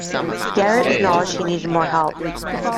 Garrett acknowledged he needed more help.